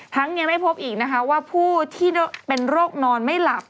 ยังไม่พบอีกนะคะว่าผู้ที่เป็นโรคนอนไม่หลับ